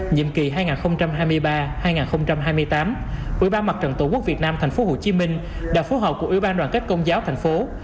nhiệm kỳ hai nghìn hai mươi ba hai nghìn hai mươi tám ủy ban mặt trận tổ quốc việt nam tp hcm đã phố họp của ủy ban đoàn kết công giáo tp hcm